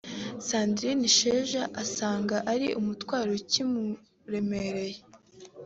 Sandrine Isheja asanga ari umutwaro ukimuremereye